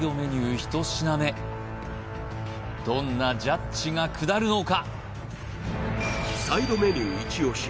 １品目どんなジャッジが下るのか？